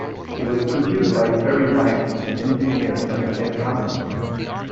It was produced by Terry Knight and engineered by Ken Hamann.